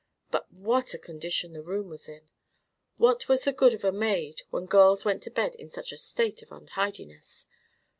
But what a condition the room was in! What was the good of a maid when girls went to bed in such a state of untidiness?